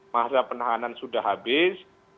masa penahanan sudah habis